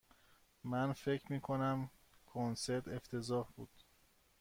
من فکر می کنم کنسرت افتضاح بود.